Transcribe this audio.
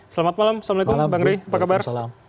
selamat malam assalamualaikum bang rey apa kabar